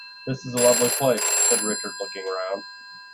"This is a lovely place," said Richard, looking round.